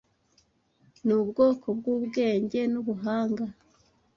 ni ubwoko bw’ubwenge n’ubuhanga